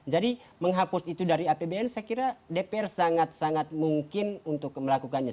jadi menghapus itu dari apbn saya kira dpr sangat sangat mungkin untuk melakukannya